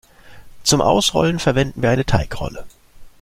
Zum Ausrollen verwenden wir eine Teigrolle.